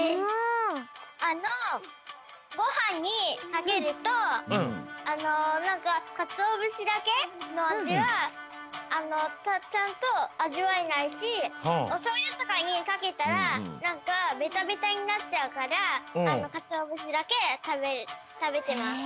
あのごはんにかけるとなんかカツオ節だけのあじはちゃんとあじわえないしおしょうゆとかかけたらなんかベタベタになっちゃうからカツオ節だけたべてます。